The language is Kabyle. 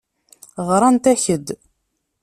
Ɣrant-ak-d.